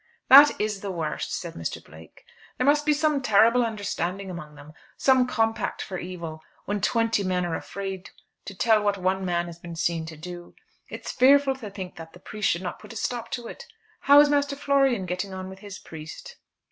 "That is the worst," said Mr. Blake. "There must be some terrible understanding among them, some compact for evil, when twenty men are afraid to tell what one man has been seen to do. It's fearful to think that the priests should not put a stop to it. How is Master Florian getting on with his priest?"